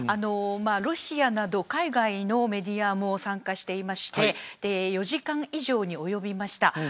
ロシアなど海外のメディアも参加していまして４時間以上に及びました。